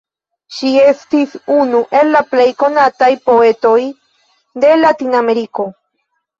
Ŝi estis unu el la plej konataj poetoj de Latinameriko.